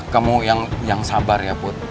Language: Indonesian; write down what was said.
kamu yang sabar ya put